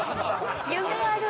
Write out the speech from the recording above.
夢ある！